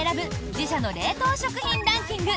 自社の冷凍食品ランキング